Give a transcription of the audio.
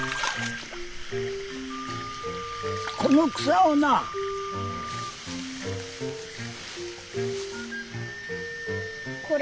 この草をな。これ？